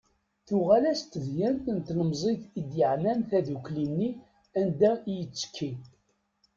Tuɣal-as-d tedyant n tlemẓit i d-yeɛnan taddukli-nni anda i yettekki.